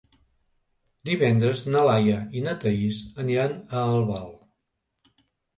Divendres na Laia i na Thaís aniran a Albal.